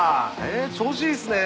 調子いいっすね！